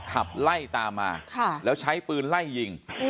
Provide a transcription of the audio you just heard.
ขับไล่ตามมาแล้วใช้ปืนไล่ยิง